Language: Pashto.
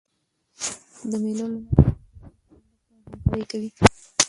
د مېلو له لاري خلک له یو بل سره مرسته او همکاري کوي.